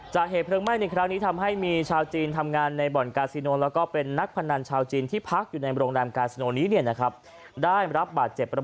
เหตุเพลิงไหม้ในครั้งนี้ทำให้มีชาวจีนทำงานในบ่อนกาซิโนแล้วก็เป็นนักพนันชาวจีนที่พักอยู่ในโรงแรมกาซิโนนี้เนี่ยนะครับ